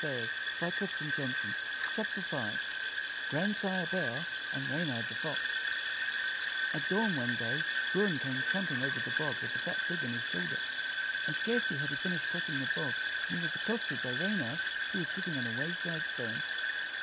GRANDSIRE BEAR AND REYNARD THE FOX GRANDSIRE BEAR AND REYNARD THE FOX A t dawn one day Bruin came tramping over the bog with a fat pig on his shoulder, and scarcely had he finished crossing the bog when he was accosted by Reynard who was sitting on a wayside stone.